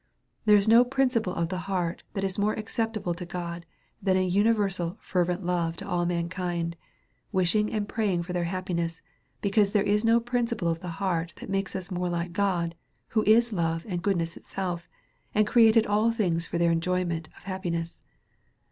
There is no principle of the heart that is more ac ceptable to God, than an universal fervent love to all mankind, wishini^ and praying for their happiness ; be cause there is no principle of the heart that makes us more like God, who is love and goodness itself, and created all things for their enjoyment of happiness.